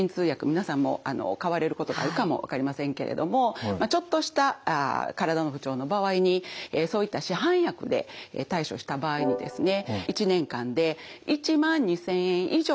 皆さんも買われることがあるかも分かりませんけれどもちょっとした体の不調の場合にそういった市販薬で対処した場合にですね